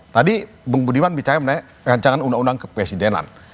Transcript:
tadi bung budiman bicara mengenai rancangan undang undang kepresidenan